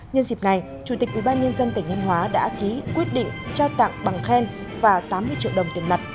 nhân dịp này chủ tịch ủy ban nhân dân tỉnh thanh hóa đã ký quyết định trao tặng bằng khen và tám mươi triệu đồng tiền mặt